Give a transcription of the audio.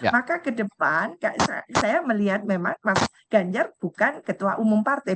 maka ke depan saya melihat memang mas ganjar bukan ketua umum partai